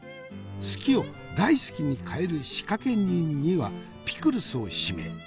好きを大好きに変える仕掛け人にはピクルスを指名。